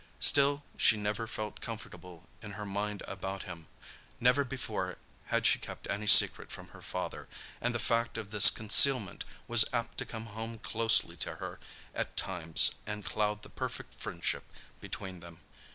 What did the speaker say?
Still, she never felt comfortable in her mind about him. Never before had she kept any secret from her father, and the fact of this concealment was apt to come home closely to her at times and cloud the perfect friendship between them.